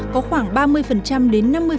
có khoảng ba mươi đến năm mươi